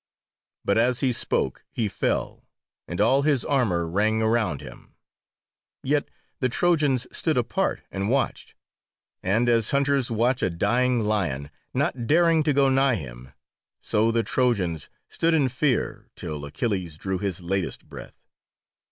But as he spoke he fell, and all his armour rang around him, yet the Trojans stood apart and watched; and as hunters watch a dying lion not daring to go nigh him, so the Trojans stood in fear till Achilles drew his latest breath.